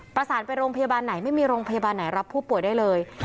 ประสานไปโรงพยาบาลไหนไม่มีโรงพยาบาลไหนรับผู้ป่วยได้เลย